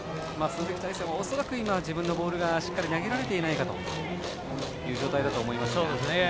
鈴木泰成も恐らく自分のボールがしっかり投げられていない状態だと思いますが。